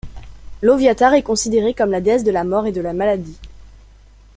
Loviatar est considérée comme la déesse de la mort et de la maladie.